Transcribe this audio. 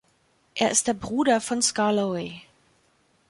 Er ist der Bruder von Skarloey.